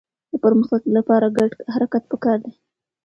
د پرمختګ لپاره ګډ حرکت پکار دی.